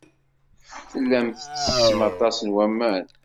Tellam tettessem aṭas n waman.